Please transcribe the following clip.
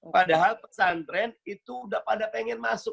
padahal pesantren itu udah pada pengen masuk